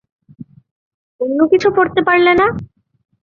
অন্য কিছু পরতে পারলে না?